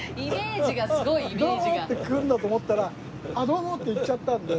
「どうも！」って来るんだと思ったら「あっどうも」って行っちゃったんで。